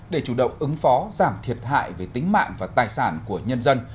để chủ động ứng phó giảm thiệt hại về tính mạng và tài sản của nhân dân